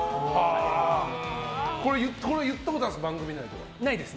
これ言ったことあるんですか？